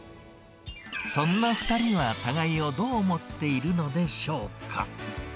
そんな２人は、互いをどう思っているのでしょうか。